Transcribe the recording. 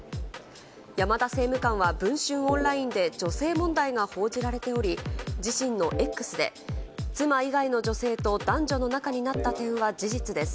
山田政務官は文春オンラインで女性問題が報じられており、自身の「Ｘ」で、妻以外の女性と男女の仲になった点は事実です。